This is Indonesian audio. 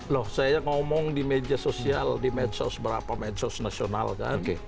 loh saya ngomong di media sosial di medsos berapa medsos nasional kan